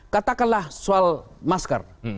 katakanlah soal masker